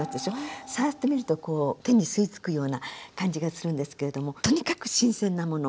触ってみるとこう手に吸い付くような感じがするんですけれどもとにかく新鮮なもの。